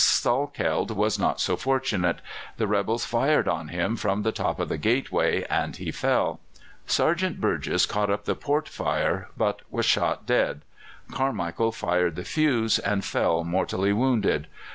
Salkeld was not so fortunate. The rebels fired on him from the top of the gateway, and he fell. Sergeant Burgess caught up the portfire, but was shot dead. Carmichael fired the fuse, and fell mortally wounded.